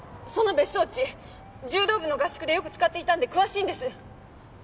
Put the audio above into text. その別荘地柔道部の合宿でよく使っていたんで詳しいんです。